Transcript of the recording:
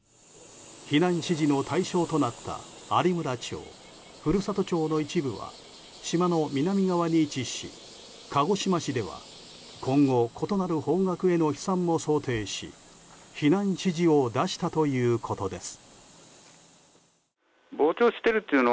避難指示の対象となった有村町古里町の一部は島の南側に位置し鹿児島市では、今後異なる方角への飛散も想定し避難指示を出したということです。